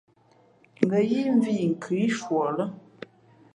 Ngα̌ yíí mvhī yi nkhʉ í shuα lά.